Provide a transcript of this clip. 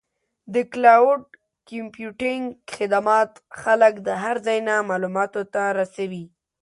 د کلاؤډ کمپیوټینګ خدمات خلک د هر ځای نه معلوماتو ته رسوي.